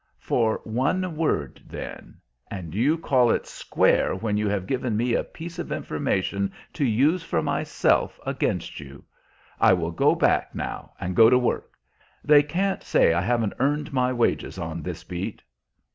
"For one word, then. And you call it square when you have given me a piece of information to use for myself, against you! I will go back now and go to work. They can't say I haven't earned my wages on this beat."